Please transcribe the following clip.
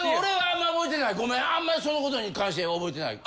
あんまその事に関しては覚えてない。